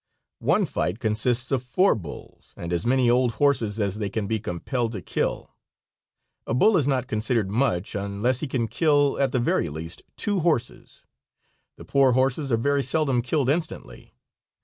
One fight consists of four bulls and as many old horses as they can be compelled to kill. A bull is not considered much unless he can kill, at the very least, two horses. The poor horses are very seldom killed instantly.